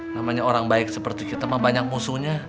namanya orang baik seperti kita banyak musuhnya